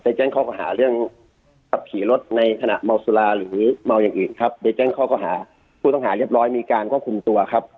แจ้งข้อหาเรื่องขับขี่รถในขณะเมาสุราหรือเมาอย่างอื่นครับโดยแจ้งข้อหาผู้ต้องหาเรียบร้อยมีการควบคุมตัวครับ